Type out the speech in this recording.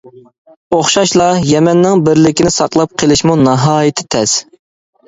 ئوخشاشلا، يەمەننىڭ بىرلىكىنى ساقلاپ قېلىشمۇ ناھايىتى تەس.